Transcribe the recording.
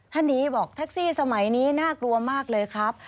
ท่านนี้บอกแท็กซี่สมัยนี้น่ากลัวมากเลยครับ